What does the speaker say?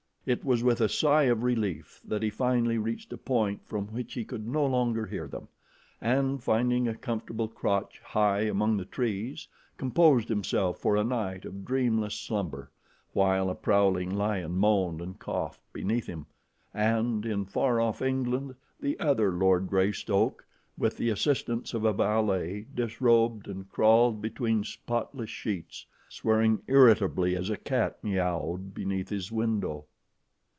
It was with a sigh of relief that he finally reached a point from which he could no longer hear them, and finding a comfortable crotch high among the trees, composed himself for a night of dreamless slumber, while a prowling lion moaned and coughed beneath him, and in far off England the other Lord Greystoke, with the assistance of a valet, disrobed and crawled between spotless sheets, swearing irritably as a cat meowed beneath his window.